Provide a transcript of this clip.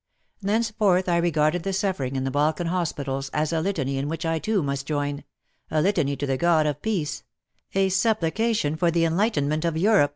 Thenceforth I regarded the suffering in the Balkan hospitals as a litany in which I too must join — a litany to the God of Peace — a supplication for the enlightenment of Europe.